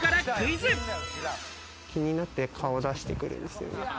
気になって顔出してくるんですよね。